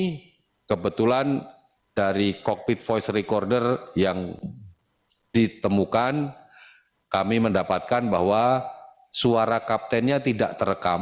ini kebetulan dari cockpit voice recorder yang ditemukan kami mendapatkan bahwa suara kaptennya tidak terekam